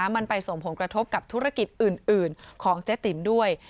มันไปส่งผลกระทบกับธุรกิจอื่นของเจ๊ติ๋มด้วย